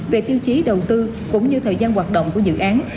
về tiêu chí đầu tư cũng như thời gian hoạt động của dự án